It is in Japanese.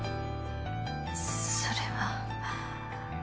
それは。